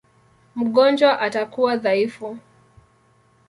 Mgonjwa atakuwa dhaifu.